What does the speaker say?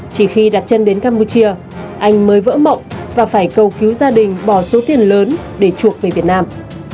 chỉ khi đặt chân đến campuchia anh mới vỡ mộng và phải cầu cứu gia đình bỏ số tiền lớn để chuộc về việt nam